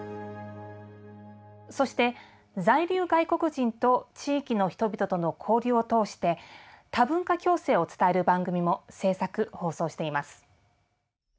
そして在留外国人と地域の人々との交流を通して多文化共生を伝える番組も制作放送しています。